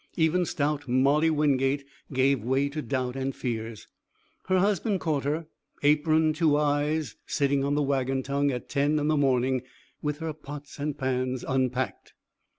Even stout Molly Wingate gave way to doubt and fears. Her husband caught her, apron to eyes, sitting on the wagon tongue at ten in the morning, with her pots and pans unpacked.